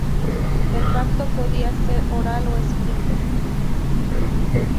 El pacto podía ser oral o escrito.